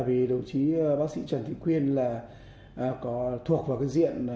và năm năm liền